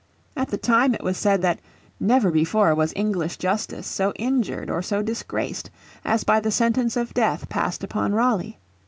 At the time it was said that "never before was English justice so injured or so disgraced" as by the sentence of death passed upon Raleigh.